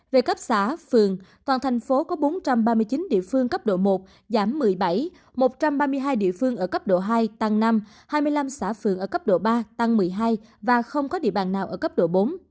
về cấp xã phường toàn thành phố có bốn trăm ba mươi chín địa phương cấp độ một giảm một mươi bảy một trăm ba mươi hai địa phương ở cấp độ hai tăng năm hai mươi năm xã phường ở cấp độ ba tăng một mươi hai và không có địa bàn nào ở cấp độ bốn